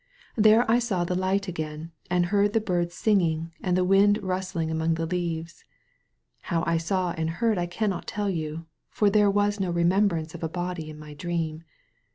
There I saw the light again and heard the birds singing and the wind rustling among the leaves. How I saw and heard I cannot tell you, for there was no remembrance of A body in my dream.